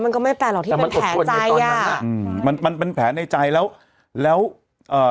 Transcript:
มันก็ไม่แปลหรอกที่เป็นแผลใจอ่ะอืมมันมันเป็นแผลในใจแล้วแล้วอ่า